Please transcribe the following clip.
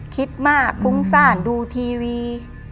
คิดมากฟุ้งซ่านดูทีวี